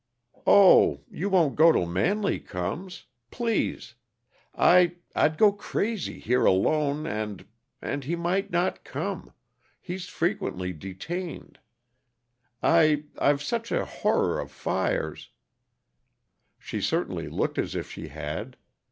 "Oh you won't go till Manley comes! Please! I I'd go crazy, here alone, and and he might not come he's frequently detained. I I've such a horror of fires " She certainly looked as if she had.